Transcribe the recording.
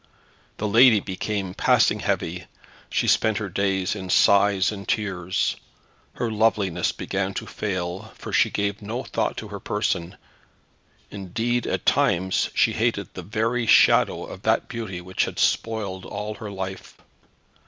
The lady became passing heavy. She spent her days in sighs and tears. Her loveliness began to fail, for she gave no thought to her person. Indeed at times she hated the very shadow of that beauty which had spoiled all her life.